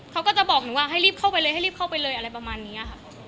เขาก็จะบอกหนูว่าให้รีบเข้าไปเลยหรืออะไรประมาณเนี้ย